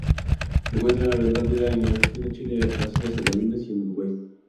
Se encuentra en el Antártida, en Argentina, Chile, las Islas Malvinas y en Uruguay.